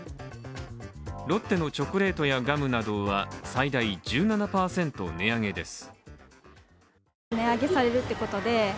ロッテのチョコレートやガムなどは最大１７％値上げです。